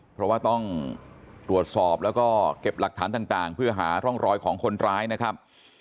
เพราะว่าต้องตรวจสอบแล้วก็เก็บหลักฐานต่างเพื่อหาร่องรอยของคนร้ายนะครับ